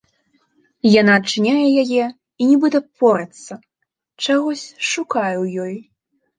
Яна адчыняе яе і нібыта порацца, чагось шукае ў ёй.